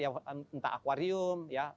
ya entah aquarium ya